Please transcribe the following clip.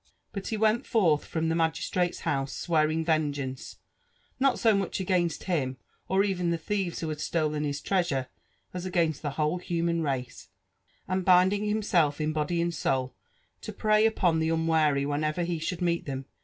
But be went forth from the magistrate's house swearing vengeance^ not .so much against him, or even the thieves who had stolen his treasure, as against the whole human race, and binding himself in body and soul lo prey upon the unwary wlieriever he should meet tl)em